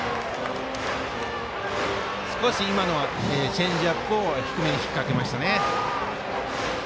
今のはチェンジアップを低めに引っかけました。